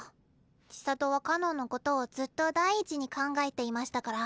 千砂都はかのんのことをずっと第一に考えていましたから。